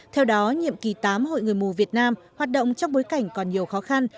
theo đó nhiệm kỳ tám hội người mù việt nam hoạt động trong bối cảnh còn nhiều khó khăn